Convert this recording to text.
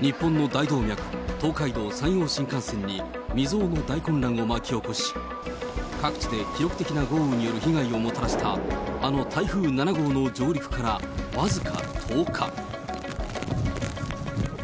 日本の大動脈、東海道・山陽新幹線に、未曽有の大混乱を巻き起こし、各地で記録的な豪雨による被害をもたらしたあの台風７号の上陸から僅か１０日。